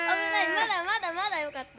まだまだまだよかった。